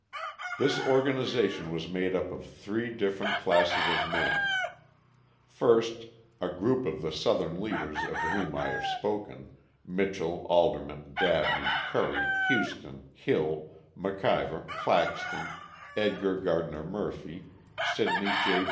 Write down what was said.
This organisation was made up of three different classes of men: first, a group of the Southern leaders of whom I have spoken Mitchell, Alderman, Dabney, Curry, Houston, Hill, McIver, Claxton, Edgar Gardner Murphy, Sydney J.